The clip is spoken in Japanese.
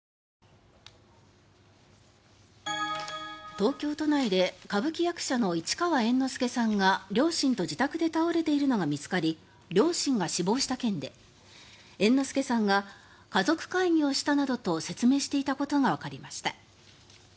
東京都内で歌舞伎役者の市川猿之助さんが両親と自宅で倒れているのが見つかり両親が死亡した件で猿之助さんが家族会議をしたなどと説明していたことがわかりました。